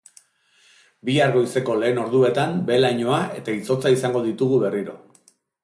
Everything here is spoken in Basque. Bihar goizeko lehen orduetan behe-lainoa eta izotza izango ditugu berriro.